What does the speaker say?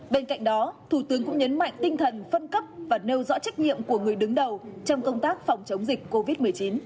bên cạnh đó thủ tướng cũng nhấn mạnh tinh thần phân cấp và nêu rõ trách nhiệm của người đứng đầu trong công tác phòng chống dịch covid một mươi chín